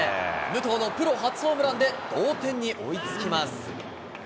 武藤のプロ初ホームランで、同点に追いつきます。